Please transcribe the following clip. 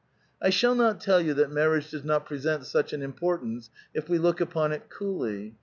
" I shall not tell you that marriage does not present such an importance if we look upon it coolly.